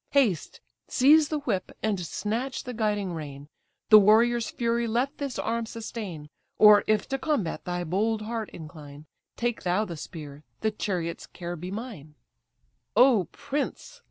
Haste, seize the whip, and snatch the guiding rein; The warrior's fury let this arm sustain; Or, if to combat thy bold heart incline, Take thou the spear, the chariot's care be mine." "O prince!